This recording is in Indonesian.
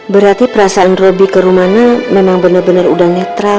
berarti perasaan robby ke rumana memang bener bener udah netral